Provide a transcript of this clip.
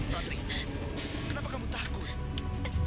tantri kamu takut